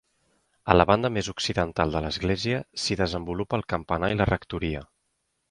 A la banda més occidental de l'església s'hi desenvolupa el campanar i la rectoria.